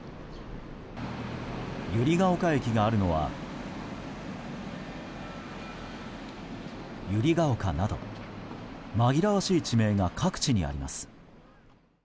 百合ヶ丘駅があるのは百合丘など紛らわしい地名が各地にあります。